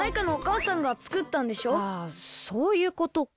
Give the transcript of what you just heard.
あそういうことか。